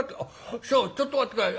「師匠ちょっと待って下さい。